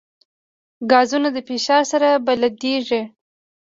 ګازونه د فشار سره بدلېږي.